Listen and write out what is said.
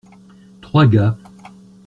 Trois gars.